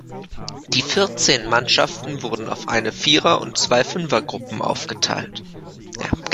Die vierzehn Mannschaften wurden auf eine Vierer- und zwei Fünfergruppen aufgeteilt.